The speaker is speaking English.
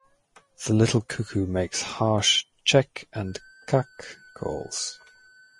The little cuckoo makes harsh "chek" and "kak" calls.